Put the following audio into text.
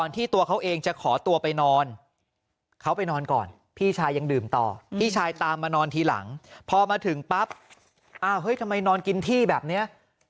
ทำไมนอนกินที่แบบนี้